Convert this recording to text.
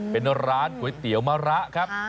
เป็นร้านก๋วยเตี๋ยวมะระครับ